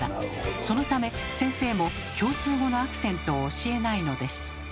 そのため先生も共通語のアクセントを教えないのです。